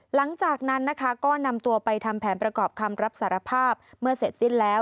หลังจากนั้นนะคะก็นำตัวไปทำแผนประกอบคำรับสารภาพเมื่อเสร็จสิ้นแล้ว